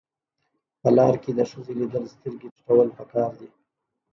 په لار کې د ښځې لیدل سترګې ټیټول پکار دي.